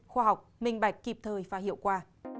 khoa học minh bạch kịp thời và hiệu quả